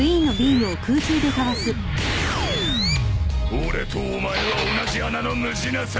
俺とお前は同じ穴のむじなさ！